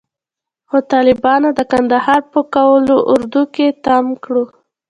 خو طالبانو د کندهار په قول اردو کښې تم کړو.